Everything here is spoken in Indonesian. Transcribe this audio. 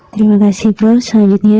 terima kasih prof selanjutnya